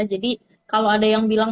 jadi kalau ada yang bilang